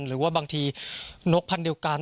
หรือเงินนกพันธุ์เดียวกัน